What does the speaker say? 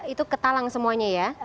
itu ketalang semuanya ya